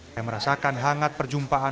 saya merasakan hangat perjumpaan